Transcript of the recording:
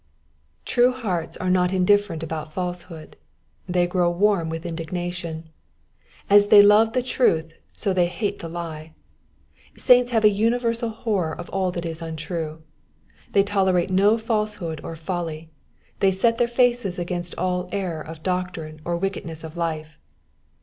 True hearts are not indifferent about falsehood, they grow warm in indignation : as they love the truth, so they hate the lie. Saints have a universal horror of ail that is untrue, they tolerate no falsehood or folly, they set their faces against all error of doctrine or wickedness of hfe.